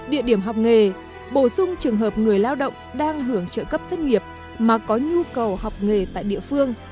địa điểm học nghề bổ sung trường hợp người lao động đang hưởng trợ cấp thất nghiệp mà có nhu cầu học nghề tại địa phương